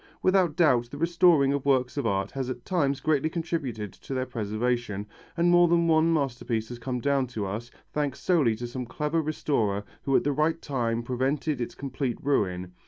Without doubt the restoring of works of art has at times greatly contributed to their preservation, and more than one masterpiece has come down to us, thanks solely to some clever restorer who at the right time prevented its complete ruin.